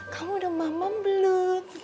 kamu udah mamam belum